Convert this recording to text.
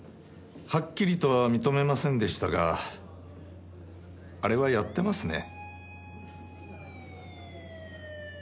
はっきりとは認めませんでしたがあれはやってますね。